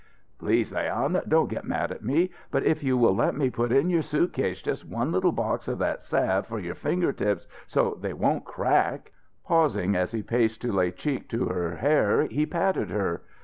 "Please, Leon, don't get mad at me, but if you will let me put in your suitcase just one little box of that salve for your finger tips, so they don't crack " Pausing as he paced to lay cheek to her hair, he patted her.